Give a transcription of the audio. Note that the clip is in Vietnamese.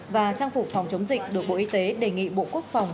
và trang phục phòng chống dịch được bộ y tế đề nghị bộ quốc phòng